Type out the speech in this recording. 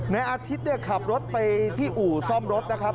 ในอาทิตย์เนี่ยขับรถไปที่อู่ซ่อมรถนะครับ